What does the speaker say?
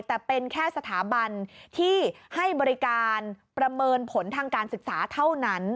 แต่เป็นแค่สถาบันที่ให้บริการประเมินผลทางการศึกษาเท่านั้น